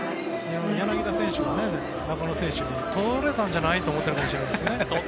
柳田選手も中野選手とれたんじゃない？と思っているかもしれないですね。